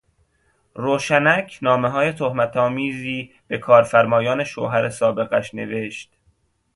روشنک نامههای تهمتآمیزی به کارفرمایان شوهر سابقش نوشت.